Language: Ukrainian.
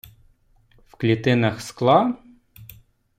В клітинах скла...